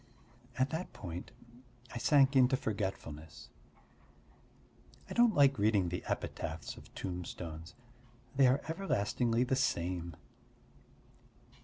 At that point I sank into forgetfulness. I don't like reading the epitaphs of tombstones: they are everlastingly the same.